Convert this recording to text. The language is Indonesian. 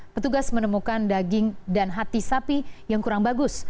petugas menemukan daging dan hati sapi yang kurang bagus